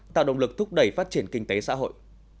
tạo động lực thúc đẩy phát triển kinh tế xã hội